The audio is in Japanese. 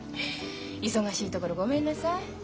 忙しいところごめんなさい。